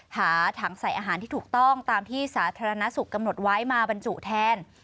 หาถังใส่อาหารที่ถูกต้องตามที่สาธารณสุขกำหนดไว้มาบรรจุแทน